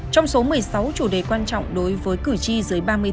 trong số một mươi sáu chủ đề quan trọng đối với cử tri dưới ba mươi bốn